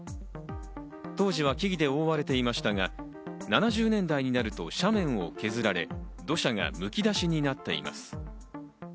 当時は木々で覆われていましたが、７０年代になると斜面を削られ、土砂がむき出しになっています。